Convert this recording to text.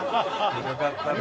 よかったね。